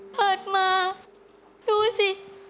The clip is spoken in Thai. เปิดมาดูสิ